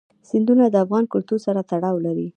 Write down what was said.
سیندونه د افغان کلتور سره تړاو لري.